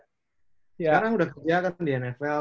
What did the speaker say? sekarang udah kebiasaan di nfl